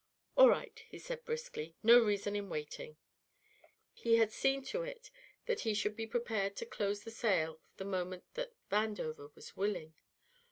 "All right," he said briskly, "no reason in waiting." He had seen to it that he should be prepared to close the sale the moment that Vandover was willing.